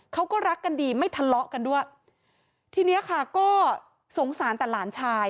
เขาก็รักกันดีไม่ทะเลาะกันด้วยทีเนี้ยค่ะก็สงสารแต่หลานชาย